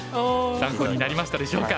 参考になりましたでしょうか。